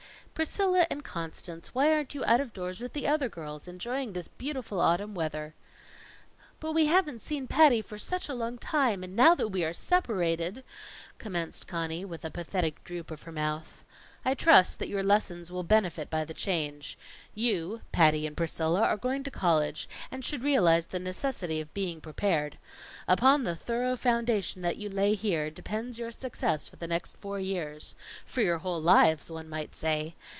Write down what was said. "Priscilla and Constance, why aren't you out of doors with the other girls, enjoying this beautiful autumn weather?" "But we haven't seen Patty for such a long time, and now that we are separated " commenced Conny, with a pathetic droop of her mouth. "I trust that your lessons will benefit by the change. You, Patty and Priscilla, are going to college, and should realize the necessity of being prepared. Upon the thorough foundation that you lay here depends your success for the next four years for your whole lives, one might say.